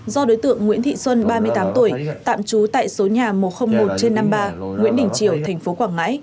do đối tượng nguyễn thị xuân ba mươi tám tuổi tạm trú tại số nhà một trăm linh một trên năm mươi ba nguyễn đình triều thành phố quảng ngãi